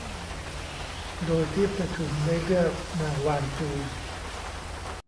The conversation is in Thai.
โดยที่ประชุมได้เลือกนางวานจู